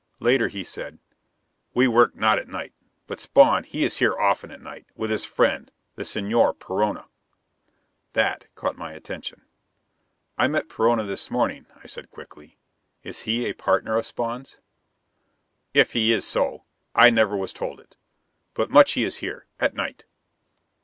Later, he said, "We work not at night. But Spawn, he is here often at night, with his friend, the Señor Perona." That caught my attention. "I met Perona this morning," I said quickly. "Is he a partner of Spawn's?" "If he is so, I never was told it. But much he is here at night."